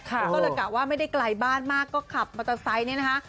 ก็เลยกะว่าไม่ได้ไกลบ้านมากก็ขับมอเตอร์ไซค์เนี่ยนะคะ